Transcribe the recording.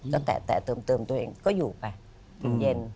ก็แตะเติมตัวเองก็อยู่ไปเย็น